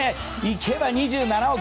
いけば、２７億。